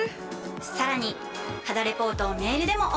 さらに肌レポートをメールでもお送りします。